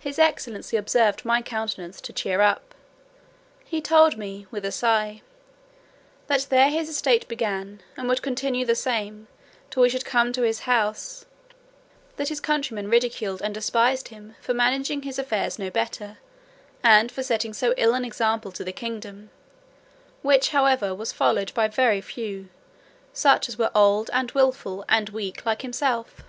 His excellency observed my countenance to clear up; he told me, with a sigh, "that there his estate began, and would continue the same, till we should come to his house: that his countrymen ridiculed and despised him, for managing his affairs no better, and for setting so ill an example to the kingdom; which, however, was followed by very few, such as were old, and wilful, and weak like himself."